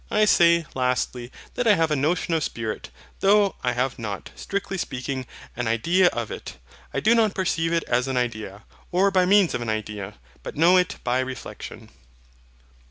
I say, lastly, that I have a notion of Spirit, though I have not, strictly speaking, an idea of it. I do not perceive it as an idea, or by means of an idea, but know it by reflexion.